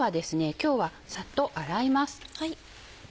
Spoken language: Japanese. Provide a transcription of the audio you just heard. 今日はサッと洗います。